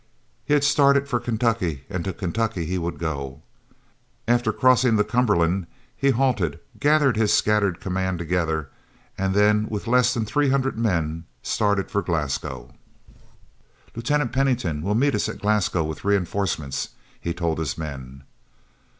He had started for Kentucky, and to Kentucky he would go. After crossing the Cumberland, he halted, gathered his scattered command together, and then with less than three hundred men, started for Glasgow. "Lieutenant Pennington will meet us at Glasgow with reinforcements," he told his men.